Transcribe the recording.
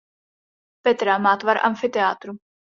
Petra má tvar amfiteátru.